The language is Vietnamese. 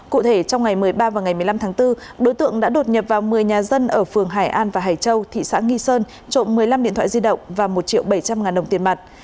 cụ thể trong ngày một mươi ba và ngày một mươi năm tháng bốn đối tượng đã đột nhập vào một mươi nhà dân ở phường hải an và hải châu thị xã nghi sơn trộm một mươi năm điện thoại di động và một triệu bảy trăm linh ngàn đồng tiền mặt